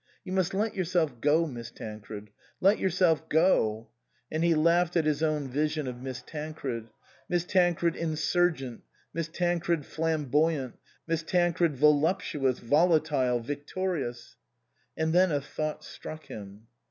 " You must let yourself go, Miss Tancred let yourself go !" And he laughed at his own vision of Miss Tancred ; Miss Tancred insurgent, Miss Tancred flamboyant, Miss Tancred vo luptuous, volatile, victorious ! And then a thought struck him.